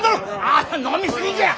ああ飲み過ぎじゃ！